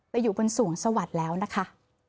ไปอยู่บนสวรรค์สวัสดิ์แล้วนะคะ